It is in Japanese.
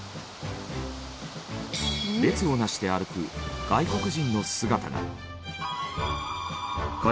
列を成して歩く外国人の姿が。